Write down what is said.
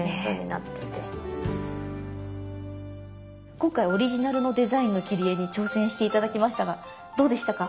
今回オリジナルのデザインの切り絵に挑戦して頂きましたがどうでしたか？